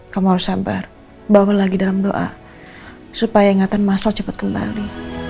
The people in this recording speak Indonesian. kamu harus sabar bawal lagi dalam doa supaya ingatan mas al cepat kembali